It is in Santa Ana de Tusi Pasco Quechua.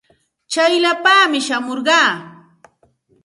Tsayllapaami shamurqaa.